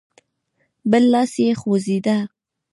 بل لاس يې خوځېده.